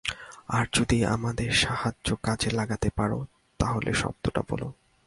আর যদি আমাদের সাহায্য কাজে লাগাতে পারো, তাহলে শব্দটা বোলো।